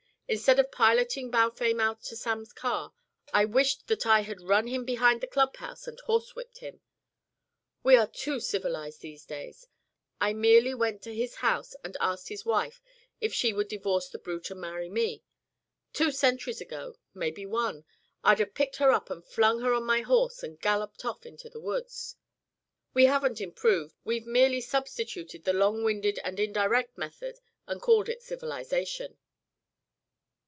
Instead of piloting Balfame out to Sam's car I wished that I had run him behind the clubhouse and horsewhipped him. We are too civilised these days. I merely went to his house and asked his wife if she would divorce the brute and marry me. Two centuries ago maybe one I'd have picked her up and flung her on my horse and galloped off to the woods. We haven't improved; we've merely substituted the long winded and indirect method and called it civilisation."